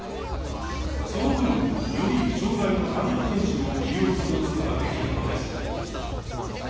その分より障害の軽い選手を起用することができるのです。